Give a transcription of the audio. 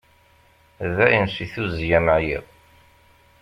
Dayen, si tuzzya-m ɛyiɣ.